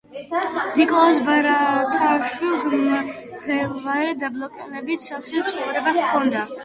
ნიკოლოზ ბარათაშვილს მღელვარე, დაბრკოლებებით სავსე ცხოვრება ჰქონდა